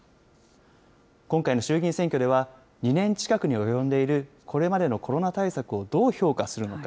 今回の衆議院選挙では、２年近くに及んでいる、これまでのコロナ対策をどう評価するのか。